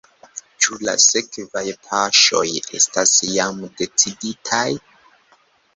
Ĉu la sekvaj paŝoj estas jam deciditaj?